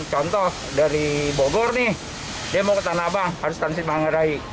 contoh dari bogor nih dia mau ke tanah abang harus transit manggarai